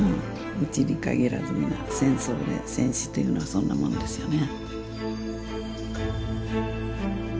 うちに限らず皆戦争で戦死というのはそんなもんですよね。